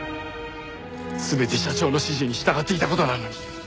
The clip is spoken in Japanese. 全て社長の指示に従っていた事なのに。